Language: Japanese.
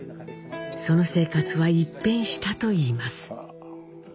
その生活は一変したと言います。